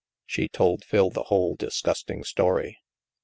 She told Phil the whole disgusting story.